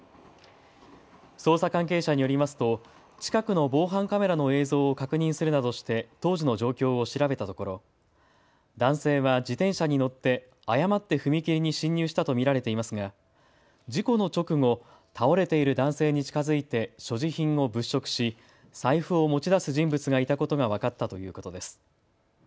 捜査関係者によりますと近くの防犯カメラの映像を確認するなどして当時の状況を調べたところ、男性は自転車に乗って誤って踏切に進入したと見られていますが事故の直後、倒れている男性に近づいて所持品を物色し財布を持ち出す人物がいたことが分かったということです。